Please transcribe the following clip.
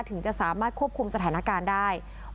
ถึงจะสามารถควบคุมสถานการณ์ได้